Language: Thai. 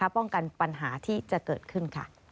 ป้องกันปัญหาที่จะเกิดขึ้น